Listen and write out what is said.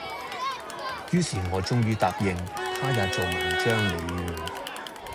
于是我終于答應他也做文章了，